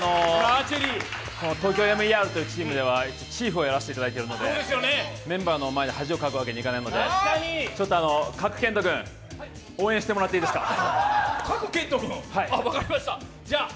「ＴＯＫＹＯＭＥＲ」というドラマではチーフをやらせていただいてるのでメンバーの前で恥をかくわけにはいかないのでちょっと賀来賢人君、応援してもらっていいですか。